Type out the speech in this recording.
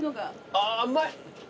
あうまい！